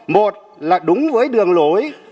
một là đúng với đường lối